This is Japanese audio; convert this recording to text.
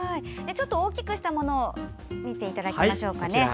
大きくしたもの見ていただきましょう。